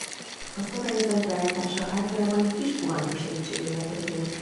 A szabályozás beállítása általában egy kis fogantyú segítségével történik.